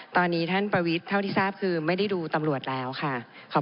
ตอนนี้ท่านประวิทย์ที่ทำี้ติดตามก็ไม่ได้ดูตำรวจเราค่ะ